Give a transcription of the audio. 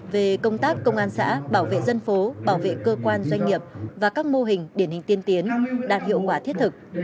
về công tác công an xã bảo vệ dân phố bảo vệ cơ quan doanh nghiệp và các mô hình điển hình tiên tiến đạt hiệu quả thiết thực